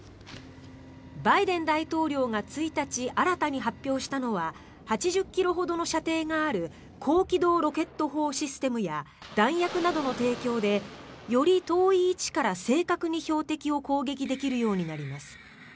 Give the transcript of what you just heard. バイデン大統領が１日新たに発表したのは８０ｋｍほどの射程がある高機動ロケット砲システムや弾薬などの提供でより遠い位置から正確に標的を攻撃できるようになります。